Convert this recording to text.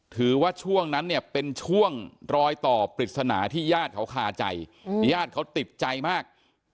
ช่วงนั้นเนี่ยเป็นช่วงรอยต่อปริศนาที่ญาติเขาคาใจญาติเขาติดใจมาก